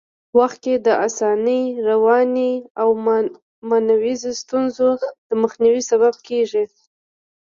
وخت کي د اسانۍ، روانۍ او مانیزو ستونزو د مخنیوي سبب کېږي.